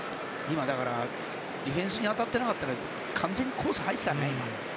だから今、ディフェンスに当たってなかったら完全にコース入ってたね。